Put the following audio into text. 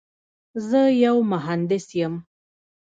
زه یو مهندس یم.